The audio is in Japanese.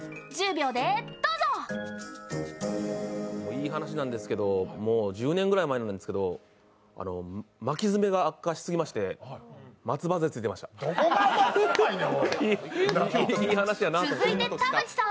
いい話なんですけど、もう１０年ぐらい前なんですけど巻き爪が悪化しすぎて松葉づえついてました。